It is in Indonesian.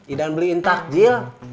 idan beliin takjil